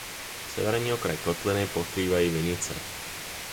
Severní okraj kotliny pokrývají vinice.